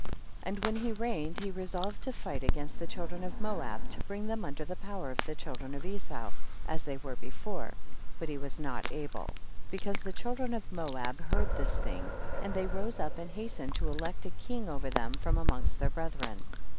4. And when he reigned he re solved.to fight against the children of Moab, to bring them under the power of the children of Esau as they were before, but he was not able, because the children of Moab heard this thing, and they rose up and has tened to elect a king over them from amongst their brethren.